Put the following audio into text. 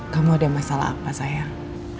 kamu ada masalah apa sayang